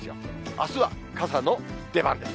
あすは傘の出番です。